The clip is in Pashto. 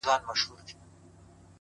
څه وکړمه څنگه چاته ښه ووايم’